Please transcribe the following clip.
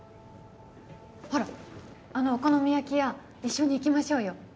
ほらあのお好み焼き屋一緒に行きましょうよ